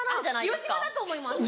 広島だと思います。